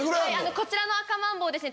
こちらのアカマンボウですね。